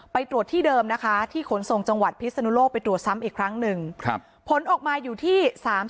ไปตรวจที่เดิมนะคะที่ขนส่งจังหวัดพิศนุโลกไปตรวจซ้ำอีกครั้งหนึ่งผลออกมาอยู่ที่๓๐